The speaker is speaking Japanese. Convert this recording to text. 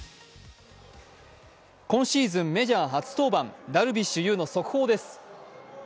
今シーズンメジャー初登板、ダルビッシュ有の速報です。